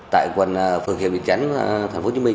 tại quận phường hiệp định chánh thành phố hồ chí minh